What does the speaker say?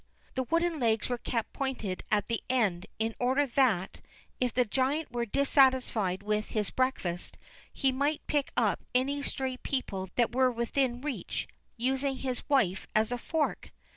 The wooden legs were kept pointed at the end in order that, if the giant were dissatisfied with his breakfast, he might pick up any stray people that were within reach, using his wife as a fork.